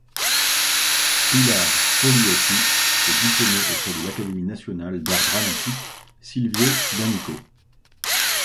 Pilar Fogliati est diplomée auprès de l'académie nationale d'art dramatique Silvio D´Amico.